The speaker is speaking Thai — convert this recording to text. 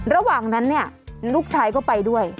ระหว่างนั้นเนี่ยลูกชายก็ไปด้วย